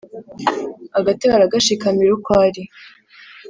Agatebe aragashikamira ukwo ari